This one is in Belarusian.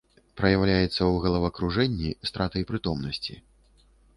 Праяўляецца ў галавакружэнні, стратай прытомнасці.